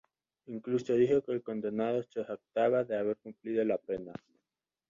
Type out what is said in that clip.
Incluso dijo que el condenado se jactaba de haber cumplido la pena.